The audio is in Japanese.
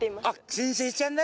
金星ちゃんだな。